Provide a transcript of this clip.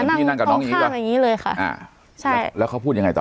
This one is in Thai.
นั่งข้างข้างอย่างงี้เลยค่ะอ่าใช่แล้วเขาพูดยังไงต่อ